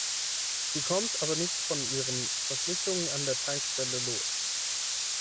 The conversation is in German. Sie kommt aber nicht von ihren Verpflichtungen an der Tankstelle los.